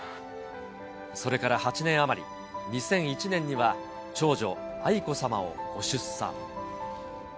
それから８年余り、２００１年には、長女、愛子さまをご出産。